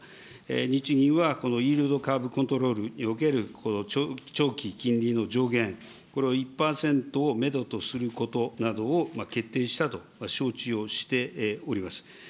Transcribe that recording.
日銀はイールドカーブ・コントロールにおけるこの長期金利の上限、これを１％をメドとすることなどを決定したと承知をしております。